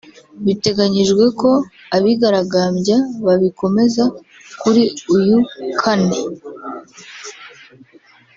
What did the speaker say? Biteganyijwe ko abigaragambya babikomeza kuri uyu kane